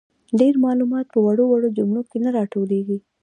ډیر معلومات په وړو وړو جملو کي نه راټولیږي.